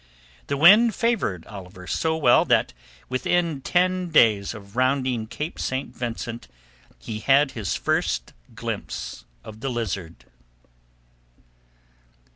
The wind favoured Oliver so well that within ten days of rounding Cape St. Vincent he had his first glimpse of the Lizard.